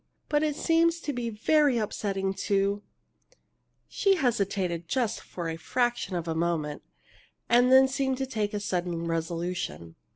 But it seems to be very upsetting to " She hesitated, just a fraction of a moment, and then seemed to take a sudden resolution.